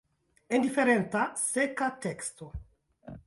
Indiferenta, seka teksto!